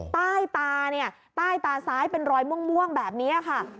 ป้ายตาเนี่ยป้ายตาซ้ายเป็นรอยม่วงแบบเนี่ยค่ะ